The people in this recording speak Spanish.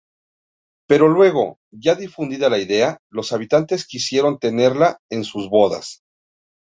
Pero luego, ya difundida la idea, los habitantes quisieron tenerla en sus bodas.